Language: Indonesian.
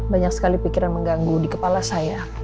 banyak sekali pikiran mengganggu di kepala saya